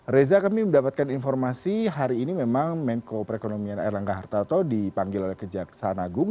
reza kami mendapatkan informasi hari ini memang menko perekonomian erlangga hartarto dipanggil oleh kejaksaan agung